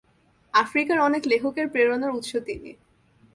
আফ্রিকার অনেক লেখকের প্রেরণার উৎস তিনি।